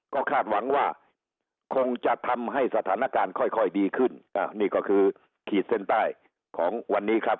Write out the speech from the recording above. ก็คาดหวังว่าคงจะทำให้สถานการณ์ค่อยดีขึ้นนี่ก็คือขีดเส้นใต้ของวันนี้ครับ